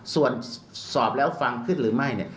ส่วนสอบแล้วฟังขึ้นหรือไม่เนี่ย